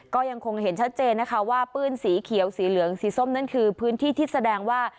ก็ยังคงเห็นชัดเจนนะคะว่าปื้นสีเขียวสีเหลืองสีส้มนั่นคือพื้นที่ที่แสดงว่า